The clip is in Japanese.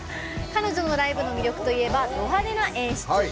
彼女のライブの魅力といえばド派手な演出。